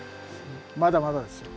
まだまだですよ。